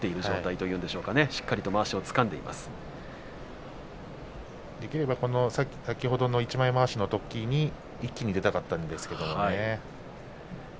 できれば、先ほどの一枚まわしのときに一気に出たかったんですけれど。